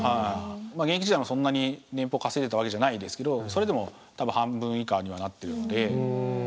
現役時代もそんなに年俸稼いでたわけじゃないですけどそれでも多分半分以下にはなってるので。